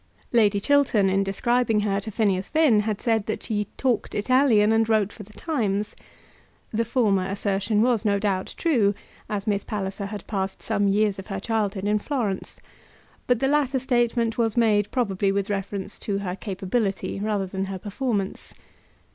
Lady Chiltern, in describing her to Phineas Finn, had said that she talked Italian, and wrote for the Times. The former assertion was, no doubt, true, as Miss Palliser had passed some years of her childhood in Florence; but the latter statement was made probably with reference to her capability rather than her performance.